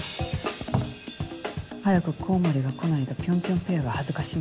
早くコウモリが来ないとピョンピョンペアが恥ずか死ぬ。